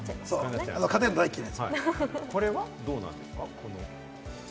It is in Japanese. これはどうなんですか？